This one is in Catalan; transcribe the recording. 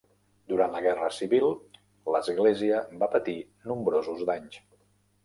Durant la guerra civil l'església va patir nombrosos danys.